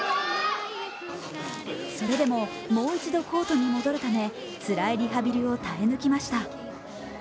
それでももう一度コートに戻るためつらいリハビリを耐え抜きました。